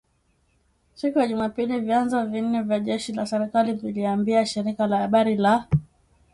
siku ya Jumapili vyanzo vine vya jeshi la serikali vililiambia shirika la habari la